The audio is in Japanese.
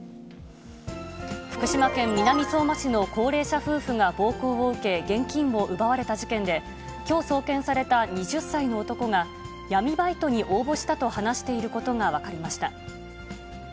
福島県南相馬市の高齢者夫婦が暴行を受け、現金を奪われた事件で、きょう送検された２０歳の男が、闇バイトに応募したと話していることが分かりました。